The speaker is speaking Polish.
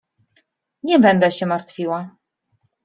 — Nie będę się martwiła.